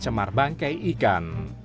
tercemar bangkai ikan